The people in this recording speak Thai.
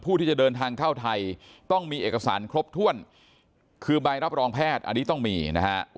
ที่จะเดินทางเข้าไทยต้องมีเอกสารครบถ้วนคือใบรับรองแพทย์อันนี้ต้องมีนะฮะ